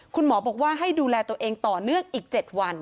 คุณหมอบอกว่าให้ดูแลตัวเองต่อเนื่องอีก๗วัน